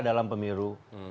dalam pemiru dua ribu empat belas